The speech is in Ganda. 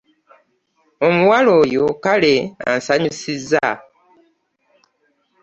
Omuwala oyo kale ansanyisizza.